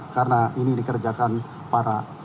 karena ini dikerjakan para